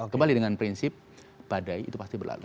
kembali dengan prinsip badai itu pasti berlalu